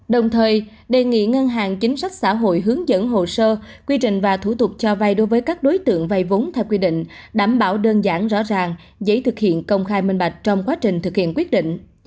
đồng thời đề nghị ngân hàng chính sách xã hội hướng dẫn hồ sơ quy trình và thủ tục cho vay đối với các đối tượng vay vốn theo quy định đảm bảo đơn giản rõ ràng dễ thực hiện công khai minh bạch trong quá trình thực hiện quyết định